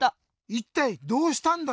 いったいどうしたんだ？